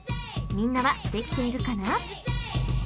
［みんなはできているかな？］